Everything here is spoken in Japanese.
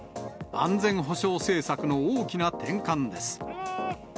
安全保障政策の大きな転換です。